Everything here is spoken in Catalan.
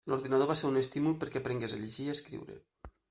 L'ordinador va ser un estímul perquè aprengués a llegir i escriure.